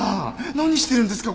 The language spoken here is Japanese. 何してるんですか？